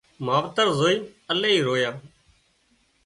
ماوتر زوئينَ الاهي رويان